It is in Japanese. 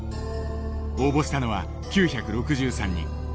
応募したのは９６３人。